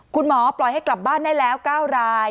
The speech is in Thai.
คุณหมอปล่อยให้กลับบ้านได้แล้ว๙ราย